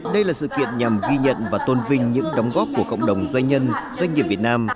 đây là sự kiện nhằm ghi nhận và tôn vinh những đóng góp của cộng đồng doanh nhân doanh nghiệp việt nam